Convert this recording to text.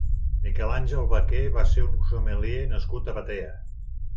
Miquel Àngel Vaquer va ser un sommelier nascut a Batea.